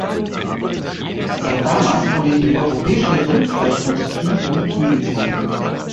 Seit damals wurde die europäische Rindfleischindustrie in die Knie gezwungen.